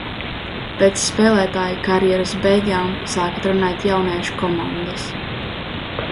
Pēc spēlētāja karjeras beigām sāka trenēt jauniešu komandas.